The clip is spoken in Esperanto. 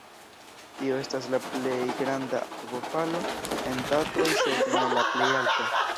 Tio estas la plej granda akvofalo en Tatroj sed ne la plej alta.